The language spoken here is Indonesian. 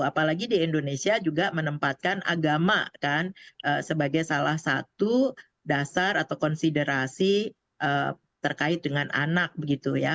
apalagi di indonesia juga menempatkan agama kan sebagai salah satu dasar atau konsiderasi terkait dengan anak begitu ya